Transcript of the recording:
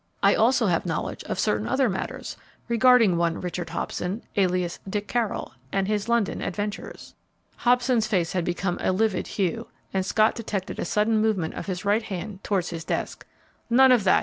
I also have knowledge of certain other matters regarding one Richard Hobson, alias Dick Carroll, and his London adventures." Hobson's face had become a livid hue, and Scott detected a sudden movement of his right hand towards his desk. "None of that!"